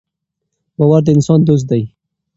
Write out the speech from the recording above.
باور د انسان دوست دی.